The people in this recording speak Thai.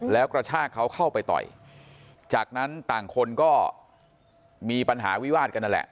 แล้วกระชากเขาเข้าไปต่อยจากนั้นต่างคนก็มีปัญหาวิวาดกันนั่นแหละ